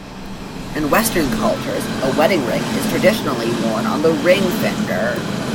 In Western cultures, a wedding ring is traditionally worn on the ring finger.